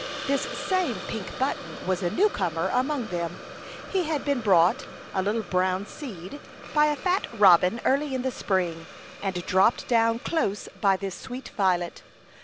This same pink button was a new comer among them. He had been brought, a little brown seed, by a fat robin, early in the spring, and dropped down close by this sweet violet.